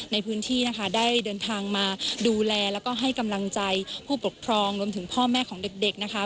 ในพื้นที่นะคะได้เดินทางมาดูแลแล้วก็ให้กำลังใจผู้ปกครองรวมถึงพ่อแม่ของเด็กนะคะ